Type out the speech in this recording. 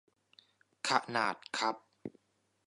ขนาดคัพ